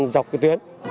dọc cái tuyến